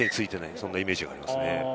そんなイメージがありますね。